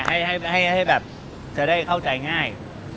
อ่าเดี๋ยวจะได้เข้าใจง่าย